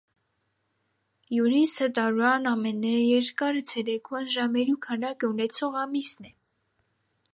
Յունիսը տարուան ամենէ երկար ցերեկուան ժամերու քանակը ունեցող ամիսն է։